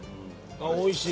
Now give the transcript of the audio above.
おいしい。